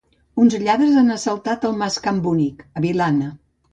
Uns lladres han assaltat el mas Can Bonic a Vilanna.